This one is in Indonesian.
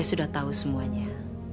saya sudah tahu semuanya